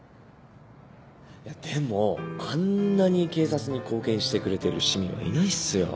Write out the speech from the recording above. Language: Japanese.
いやでもあんなに警察に貢献してくれてる市民はいないっすよ。